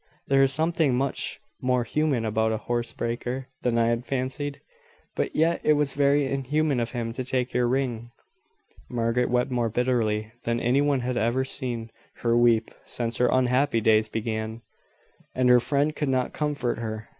There is something much more human about a housebreaker than I had fancied. But yet it was very inhuman of him to take your ring." Margaret wept more bitterly than any one had seen her weep since her unhappy days began, and her friend could not comfort her.